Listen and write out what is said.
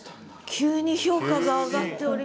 急に評価が上がっております。